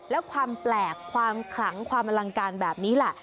และความแปลกความขลังความอลังการแบบนี้แหละ